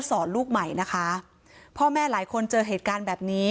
สอนลูกใหม่นะคะพ่อแม่หลายคนเจอเหตุการณ์แบบนี้